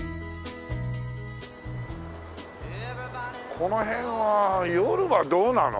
この辺は夜はどうなの？